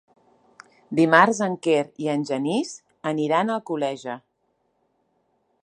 Dimarts en Quer i en Genís aniran a Alcoleja.